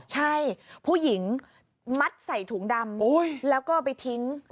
ใช่ผู้หญิงมัดใส่ถุงดำแล้วก็ไปทิ้ง